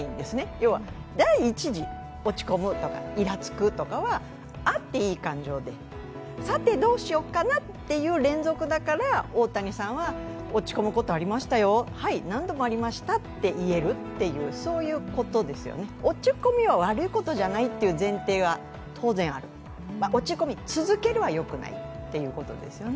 要は第１次落ち込む、いらつくとかはあっていい感情で、さてどうしようかなっていう連続だから大谷さんは落ち込むことはありましたよ、はい何度もありましたと言えるとそういうことですよね、落ち込みは悪いことじゃないという前提が当然ある、落ち込み続けるはよくないっていうことですよね。